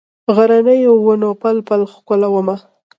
غرنیو ونو پل، پل ښکلومه